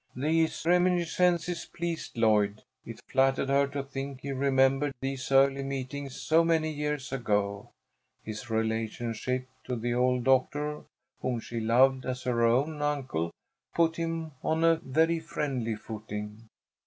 '" These reminiscences pleased Lloyd. It flattered her to think he remembered these early meetings so many years ago. His relationship to the old doctor whom she loved as her own uncle put him on a very friendly footing.